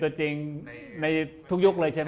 ตัวจริงในทุกยุคเลยใช่ไหม